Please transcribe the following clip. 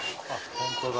本当だ。